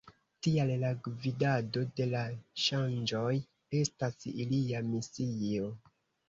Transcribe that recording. Tial la gvidado de la ŝanĝoj estas ilia misio.